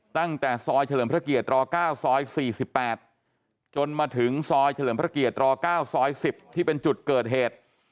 ตั้งแต่ซอยเฉลิมพระเกียร๙ซอย๔๘จนมาถึงซอยเฉลิมพระเกียร๙ซอย๑๐ที่เป็นจุดเกิดเหตุ